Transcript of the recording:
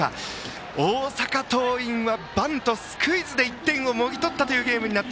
大阪桐蔭はバント、スクイズで１点をもぎ取ったゲーム。